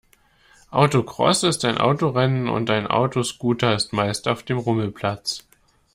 Autocross ist ein Autorennen und ein Autoscooter ist meist auf dem Rummelplatz.